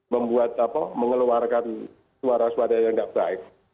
membuat apa mengeluarkan suara suara yang enggak baik